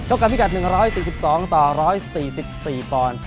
กันพิกัด๑๔๒ต่อ๑๔๔ปอนด์